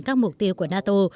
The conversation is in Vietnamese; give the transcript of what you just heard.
các mục tiêu của nato